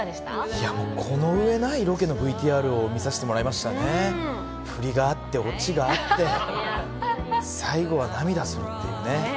いや、この上ないロケのＶＴＲを見させてもらいましたね、ふりがあって、オチがあって、最後は涙するっていうね。